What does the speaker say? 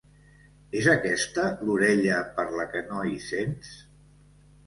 És aquesta l'orella per la que no hi sents?